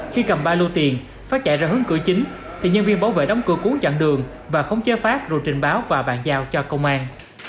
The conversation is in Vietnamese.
khi cầm ba lô tiền phát chạy ra hướng cửa chính thì nhân viên bảo vệ đóng cửa cuốn chặn đường và khống chế phát rồi trình báo và bàn giao cho công an